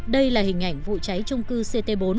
đây là hình ảnh vụ cháy trung cư ct bốn